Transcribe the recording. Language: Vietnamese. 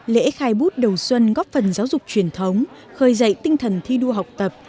lễ khai bút đầu xuân góp phần giáo dục truyền thống khởi dạy tinh thần thi đua học tập